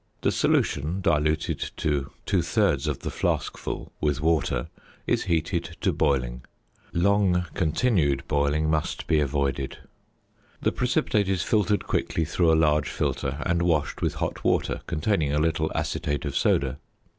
The solution, diluted to two thirds of the flaskful with water, is heated to boiling. Long continued boiling must be avoided. The precipitate is filtered quickly through a large filter, and washed with hot water containing a little acetate of soda.